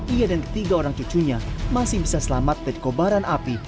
ia dan ketiga orang cucunya masih bisa selamat dari kobaran api